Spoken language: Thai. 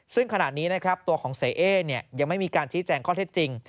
ซึ่งขณะนี้นะครับตัวของเสียเอ๊ยังไม่มีการชี้แจงข้อเท็จจริง